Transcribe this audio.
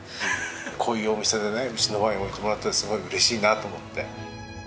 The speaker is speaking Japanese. こういうお店でねうちのワイン置いてもらってすごい嬉しいなと思って。